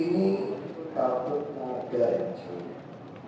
ini pak untuk mengajar